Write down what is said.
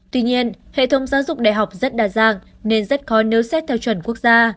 tuy nhiên hệ thống giáo dục đại học rất đa dạng nên rất khó nếu xét theo chuẩn quốc gia